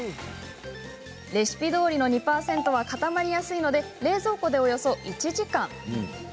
レシピどおりの２％は固まりやすいので冷蔵庫でおよそ１時間。